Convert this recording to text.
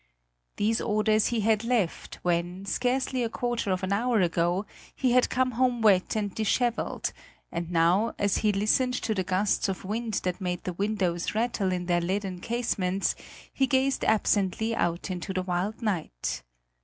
These orders he had left when, scarcely a quarter of an hour ago, he had come home wet and dishevelled, and now, as he listened to the gusts of wind that made the windows rattle in their leaden casements, he gazed absently out into the wild night.